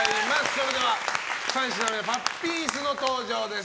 それでは、３品目パッピンスの登場です。